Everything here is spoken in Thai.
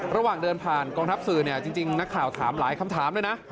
ระหว่างเดินผ่านกองทัพสื่อเนี่ยจริงนักข่าวถามหลายคำถามเลยนะ